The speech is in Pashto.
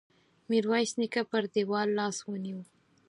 ميرويس نيکه پر دېوال لاس ونيو.